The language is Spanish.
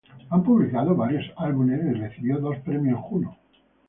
Han publicado varios álbumes y recibió dos Premios Juno.